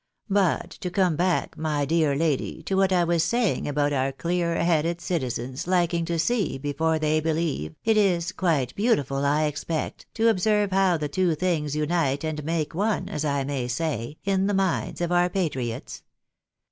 But, to come back, my dear lady, to what I was saying about our clear headed citizens liking to see before they believe, it is quite beautiful, I expect, to observe how the two things unite and make one, as I may say, in the minds A STAKTLING DEMAND. 125 of our patriots.